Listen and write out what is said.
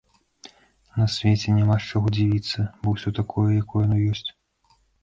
На свеце няма з чаго дзівіцца, бо ўсё такое, якое яно ёсць.